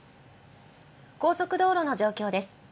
高速道路の状況です。